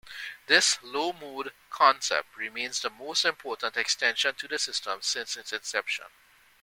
This low-mode concept remains the most important extension to the system since its inception.